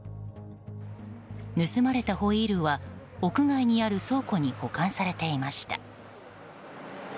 盗まれたホイールは屋外にある倉庫に保管されていました。